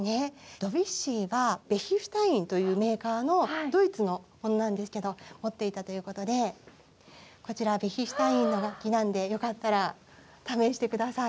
ドビュッシーがベヒシュタインというメーカーのドイツのものなんですけど持っていたということでこちらベヒシュタインの楽器なんでよかったら試して下さい。